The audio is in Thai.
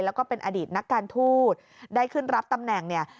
แล้วก็เป็นอดีตนักการทูตได้ขึ้นรับตำแหน่งเนี่ย